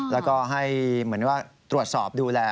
แล้วก็ให้เหมือนว่าตรวจสอบดูแล